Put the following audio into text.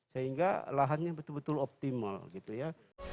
sehingga lahannya betul betul optimal gitu ya